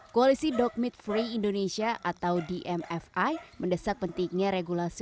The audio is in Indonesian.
koalisi dog meet free indonesia atau dmfi mendesak pentingnya regulasi